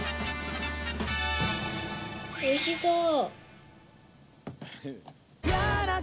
おいしそう！